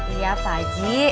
iya pak ji